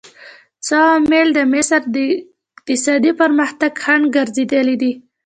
څه عوامل د مصر د اقتصادي پرمختګ خنډ ګرځېدلي دي؟